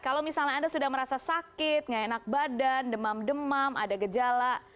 kalau misalnya anda sudah merasa sakit nggak enak badan demam demam ada gejala